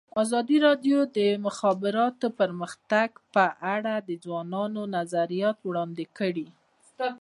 ازادي راډیو د د مخابراتو پرمختګ په اړه د ځوانانو نظریات وړاندې کړي.